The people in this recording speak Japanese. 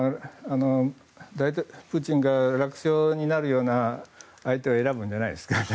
プーチンが楽勝になるような相手を選ぶんじゃないですかね。